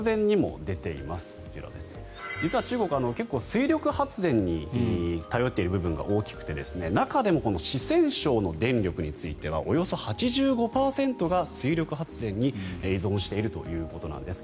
実は中国は結構水力発電に頼っている部分が大きくて中でもこの四川省の電力についてはおよそ８５％が水力発電に依存しているということなんです。